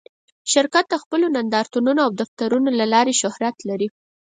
شرکت د خپلو نندارتونونو او دفترونو له لارې شهرت لري.